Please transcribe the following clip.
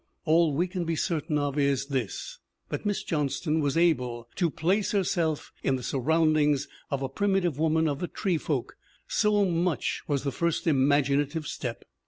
All we can be certain of is this, that Miss Johnston was able to place herself in MARY JOHNSTON 137 the surroundings of a primitive woman of the tree folk so much was the first imaginative step.